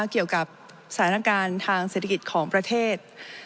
เกี่ยวกับสถานการณ์ทางเศรษฐกิจของประเทศ